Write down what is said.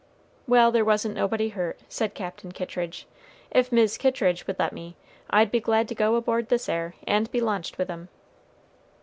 "Well, there wasn't nobody hurt," said Captain Kittridge. "If Mis' Kittridge would let me, I'd be glad to go aboard this 'ere, and be launched with 'em."